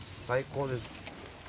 最高です。